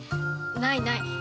ないない。